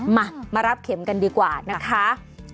มามารับเข็มกันดีกว่านะคะ